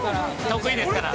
◆得意ですから。